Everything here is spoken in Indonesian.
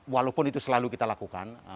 walaupun itu selalu kita lakukan